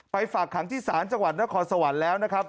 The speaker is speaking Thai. ฝากขังที่ศาลจังหวัดนครสวรรค์แล้วนะครับ